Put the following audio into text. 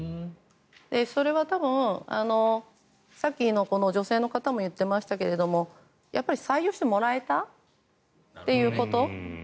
それは多分、さっきの女性の方も言っていましたが採用してもらえたということ。